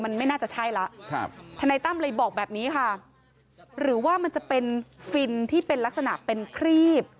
มันไม่น่าจะใช่แล้วทนายตั้มเลยบอกแบบนี้ค่ะหรือว่ามันจะเป็นฟินที่เป็นลักษณะเป็นครีบ